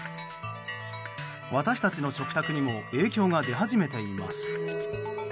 私たちの食卓にも影響が出始めています。